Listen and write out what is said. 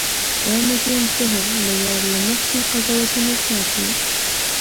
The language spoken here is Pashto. دا میتود ذهن له وار له مخکې قضاوتونو ساتي.